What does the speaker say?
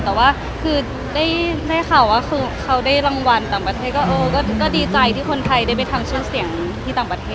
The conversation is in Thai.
แต่ว่าคือได้ข่าวว่าคือเขาได้รางวัลต่างประเทศก็ดีใจที่คนไทยได้ไปทำชื่อเสียงที่ต่างประเทศ